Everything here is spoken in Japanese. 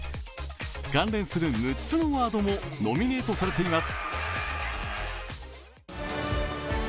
関連する６つのワードもノミネートされています。